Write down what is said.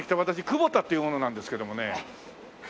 久保田っていう者なんですけどもね。